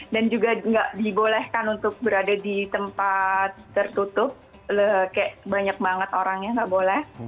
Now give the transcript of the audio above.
dan juga gak dibolehkan untuk berada di tempat tertutup kayak banyak banget orangnya gak boleh